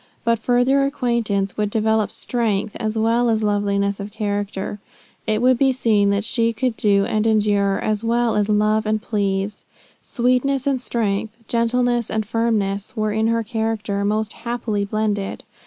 But further acquaintance would develop strength as well as loveliness of character. It would be seen that she could do and endure, as well as love and please. Sweetness and strength, gentleness and firmness, were in her character most happily blended.